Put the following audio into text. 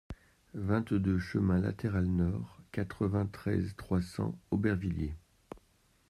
vingt-deux chemin Latéral Nord, quatre-vingt-treize, trois cents, Aubervilliers